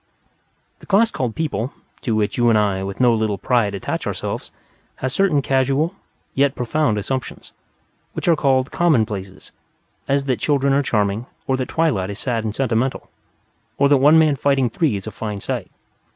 The class called People (to which you and I, with no little pride, attach ourselves) has certain casual, yet profound, assumptions, which are called "commonplaces," as that children are charming, or that twilight is sad and sentimental, or that one man fighting three is a fine sight.